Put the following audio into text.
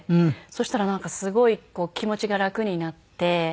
そしたらなんかすごいこう気持ちが楽になって。